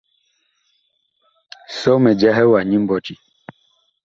Sɔ mi jahɛ wa nyi mbɔti.